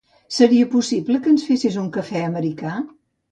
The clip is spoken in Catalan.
Seria possible que ens fessis un cafè americà?